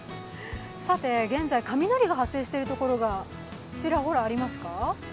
さて、現在、雷が発生しているところがちらほらありますか。